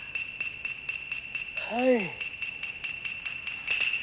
はい。